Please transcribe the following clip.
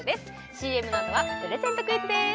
ＣＭのあとはプレゼントクイズです